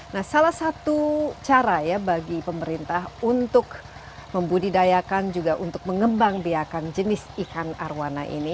nah salah satu cara ya bagi pemerintah untuk membudidayakan juga untuk mengembang biakan jenis ikan arowana ini